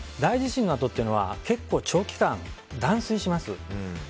大地震のあとというのは結構、長期間断水します。